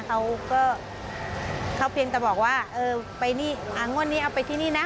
เขาก็เขาเพียงแต่บอกว่าเออไปนี่งวดนี้เอาไปที่นี่นะ